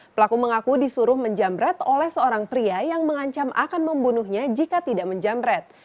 pelaku mengaku disuruh menjamret oleh seorang pria yang mengancam akan membunuhnya jika tidak menjamret